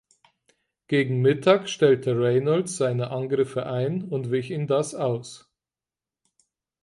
Gegen Mittag stellte Reynolds seine Angriffe ein und wich in das aus.